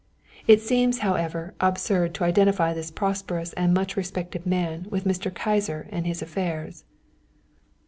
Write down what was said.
It seems, however, absurd to identify this prosperous and much respected man with Mr. Kyser and his affairs.